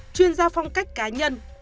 chuyên gia phong cách cá nhân